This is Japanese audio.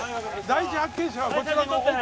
第一発見者はこちらの奥さん。